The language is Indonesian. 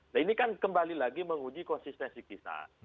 nah ini kan kembali lagi menguji konsistensi kita